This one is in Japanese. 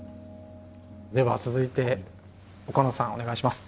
では続いて岡野さんお願いします。